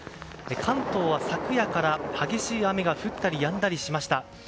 関東は昨夜から、激しい雨が降ったりやんだりしました。